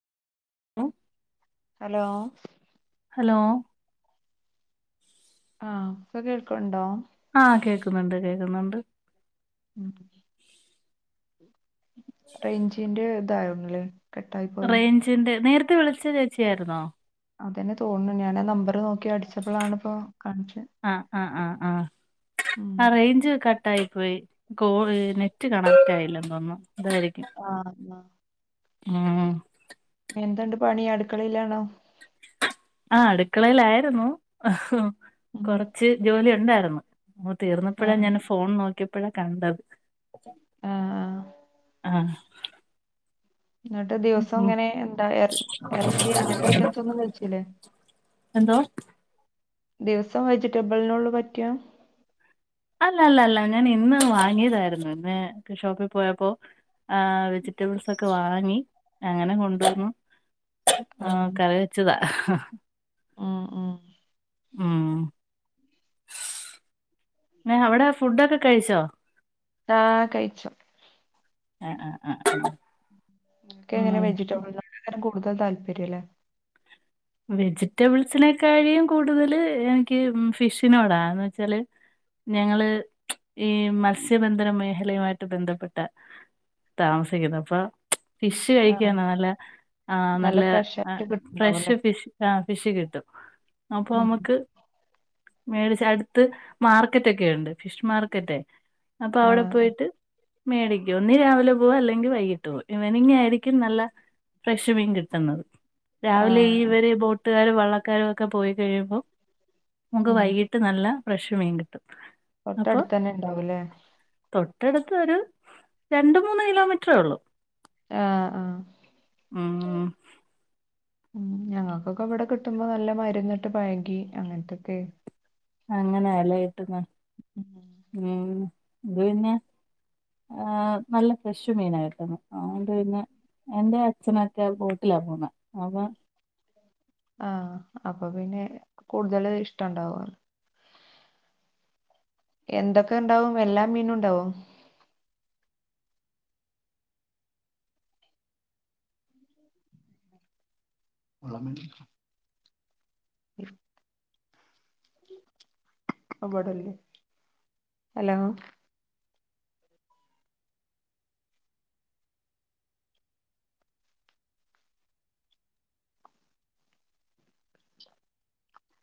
[unintelligible] Hello.. ലോ.. ആ ഇപ്പൊ കേൾക്കുണ്ടോ.. ആ കേക്കുന്നുണ്ട് കേക്കുന്നുണ്ട്... ഉം റേഞ്ചിന്റെ ഇതായിന്നൊല്ലേ... റേഞ്ചിന്റെ നേരത്തെ വിളിച്ച ചേച്ചിയാരുന്നോ... അതന്നെ തോന്നു ഞാന് നമ്പർ നോക്കി അടിച്ചപ്പോളാണ് ഇപ്പോ കാണിചെ.. ആ ആ ആ ആ ആ റേഞ്ച് ക. [inaudible] കട്ടായി പോയി കോ നെറ്റ് കണക്ട് ആയില്ലെന്തോന്നു... ആ ഉം ഉം എന്തുണ്ട് പണി അടുക്കളയിലാണോ... ആ അടുക്കളേലായിരുന്നു ഹ് ഉം കൊറച്ച് ജോലി ഒണ്ടാരുന്നു... ഓ തീർന്നപ്പോഴാ ആഹ് ഞാൻ ഫോൺ നോക്കിയപ്പോഴാ കണ്ടത്... ആ ആ ആ.. എന്നിട്ട് ദിവസം ഉം. ഇങ്ങനെ എന്താ എർ എറച്ചി അങ്ങനത്തെ ഐറ്റംസ് ഒന്നും കച്ചില്ലേ.. എന്തോ.. ദിവസം വെജിറ്റബിൾനോള്ള് പറ്റാ... അല്ല അല്ല അല്ല ഞാൻ ഇന്ന് വാങ്ങിയതാരുന്നു ഇന്ന് ഷോപ്പിൽ പോയപ്പോ... ആ വെജിറ്റബിൾസ് ഒക്കെ വാങ്ങി.. അങ്ങനെ കൊണ്ടുവന്നു ആ ആഹ് കറി വച്ചതാ... ഉം ഉം ഉം അവിടെ ഫുഡൊക്കെ കഴിച്ചോ... ആ കഴിച്ചു... ആ ആ ആ ആ... ക്കെ ഇങ്ങനെ വെജിറ്റബിൾന്നോട് യ് രിക്കും കൂടുതൽ താല്പര്യംല്ലേ.. വെജിറ്റബിൾസിനക്കാഴിയും കൂടുതല് എനിക്ക് ഫിഷിനോടാന്ന് വെച്ചാല്... ഞങ്ങള് ഈ മത്സ്യബന്ധന മേഖലയുമായിട്ട് ബന്ധപ്പെട്ട.. താമസിക്കുന്നത് അപ്പൊ.. ഫിഷ് ആഹ് കഴിക്കുകാണ് നല്ല ആ നല്ല ഫ്രഷ് ആയിട്ട് ഫ്രഷ്.. കിട്ടുണ്ടാവുല്ലേ ഫിഷ് ആ ഫിഷ് കിട്ടും അപ്പൊ ഉം നമുക്ക്... മേടിച്ച അടുത്ത് മാർക്കറ്റ് ഒക്കെയുണ്ട്.. ഫിഷ് മാർക്കറ്റേ അപ്പൊ അവിടെ ആഹ് പോയിട്ട്.. മേടിക്കും ഒന്ന് രാവിലെ പോവും അല്ലെങ്കിൽ വൈകിട്ട് പോവും ഈവനിംഗ് ആായിരിക്കും നല്ല.. ഫ്രഷ് മീൻ കിട്ടുന്നത്.. രാവിലെ ആഹ് ഈവരെ ബോട്ടുകാരും വള്ളക്കാരും ഒക്കെ പോയി കഴിയുമ്പോം., നമുക്ക് വൈകിട്ട് നല്ല ഫ്രഷ് മീൻ കിട്ടും.. അപ്പൊ തൊട്ടടുത്ത് തന്നെ ഇണ്ടാവൂല്ലെ.. തൊട്ടടുത്ത് ഒരു രണ്ട് മൂന്ന് കിലോമീറ്ററേ ഉള്ളൂ. ആ ആ.. ഉം.. ഉ ഞങ്ങൾക്കൊക്കെ ഇവിടെ കിട്ടുമ്പോ നല്ല മരുന്നിട്ട് പഴകി അങ്ങനത്തൊക്കെ.. അങ്ങനെയല്ല ട്ടുന്ന ഉം അത്പിന്ന ആ നല്ല ഫ്രഷ് മീനായിരുന്നു അതുകൊണ്ട്പിന്നെ എന്റെ അച്ഛനൊക്കെ ബോട്ടിലാ പോണ് അവ ആ അപ്പൊ പിന്നെ കൂടുതല് ഇഷ്ടണ്ടാവോലൊ എന്തൊക്കെ ണ്ടാവും എല്ലാ മീനും ണ്ടാവോ ഉള്ളമ ഉം അവടല്ലേ ഹലോ